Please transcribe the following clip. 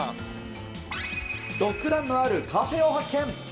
ドッグランのあるカフェを発見。